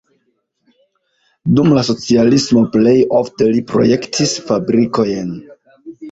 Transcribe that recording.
Dum la socialismo plej ofte li projektis fabrikojn.